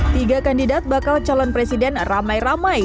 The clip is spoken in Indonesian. tiga kandidat bakal calon presiden ramai ramai